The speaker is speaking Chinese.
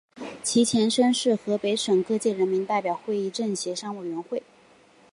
其前身是河北省各界人民代表会议协商委员会。